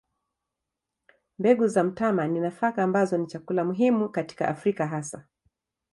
Mbegu za mtama ni nafaka ambazo ni chakula muhimu katika Afrika hasa.